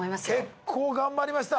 結構頑張りました。